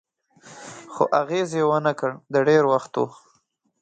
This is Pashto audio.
خو اغېز یې و نه کړ، د ډېر وخت و.